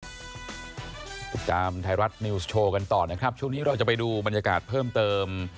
ติดตามไทยรัฐนิวส์โชว์กันต่อนะครับช่วงนี้เราจะไปดูบรรยากาศเพิ่มเติม